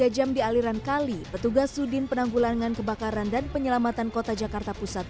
tiga jam di aliran kali petugas sudin penanggulangan kebakaran dan penyelamatan kota jakarta pusat